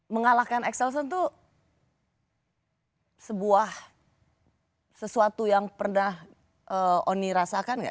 mengalahkan excelsen itu sebuah sesuatu yang pernah oni rasakan enggak